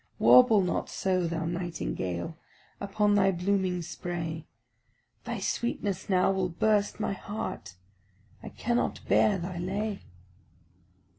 Warble not so, thou nightingale, Upon thy blooming spray, Thy sweetness now will burst my heart, I cannot bear thy lay.